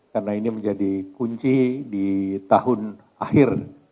karena ini menjadi kunci di tahun akhir